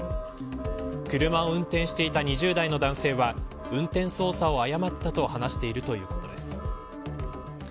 車を運転していた２０代の男性は運転操作を誤ったと話しているということです。